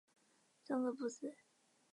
桑格布斯。